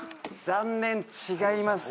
残念違います。